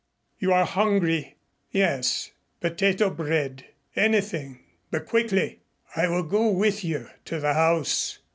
You are hungry?" "Yes. Potato bread anything, but quickly. I will go with you to the house."